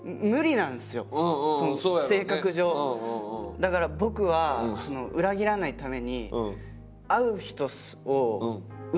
だから僕は裏切らないために。